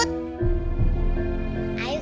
semangat ya put